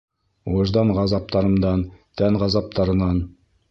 Выждан ғазаптарымдан, тән ғазаптарынан.